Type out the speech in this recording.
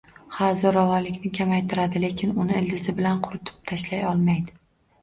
Ha, zo‘ravonlikni kamaytiradi, lekin uni ildizi bilan quritib tashlay olmaydi